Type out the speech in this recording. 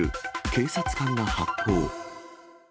警察官が発砲。